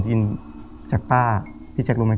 ยินจากป้าพี่แจ๊ครู้ไหม